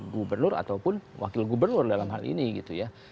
gubernur ataupun wakil gubernur dalam hal ini gitu ya